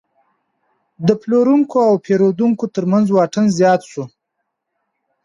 د پلورونکو او پیرودونکو ترمنځ واټن زیات شو.